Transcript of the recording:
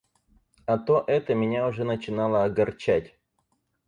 А то это меня уже начинало огорчать.